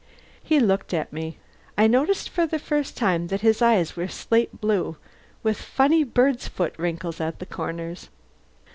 He looked at me. I noticed for the first time that his eyes were slate blue, with funny birds' foot wrinkles at the corners.